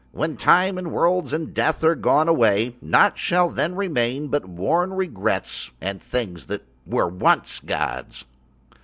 When Time and worlds and death are gone away nought shall then remain but worn regrets and Things that were once gods.